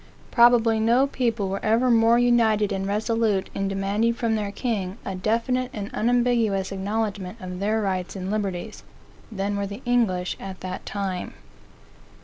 Probably no people were ever more united and resolute in demanding from their king a definite and unambiguous acknowledgment of their rights and liberties, than were the English at that time.